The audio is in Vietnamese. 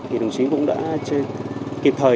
thì đồng chí cũng đã kịp thời